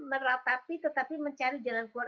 meratapi tetapi mencari jalan keluar